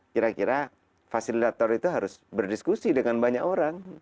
kira kira fasilitator itu harus berdiskusi dengan banyak orang